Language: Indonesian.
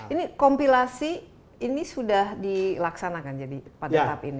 ini kompilasi ini sudah dilaksanakan jadi pada tahap ini